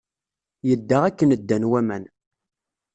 Yedda akken ddan waman.